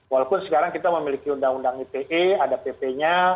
walaupun sekarang kita memiliki undang undang ite ada pp nya